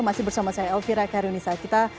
masih bersama saya elvira karunisa